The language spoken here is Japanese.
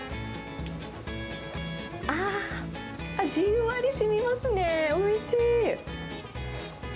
あー、じんわりしみますね、おいしい。